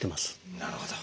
なるほど。